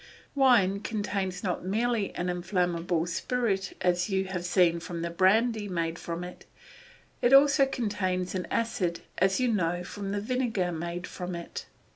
Wine contains not merely an inflammable spirit as you have seen from the brandy made from it; it also contains an acid as you know from the vinegar made from it.